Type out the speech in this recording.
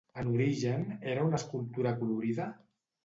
En origen era una escultura acolorida?